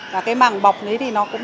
và cái mảng bọc này thì nó cũng